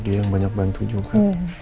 dia yang banyak bantu juga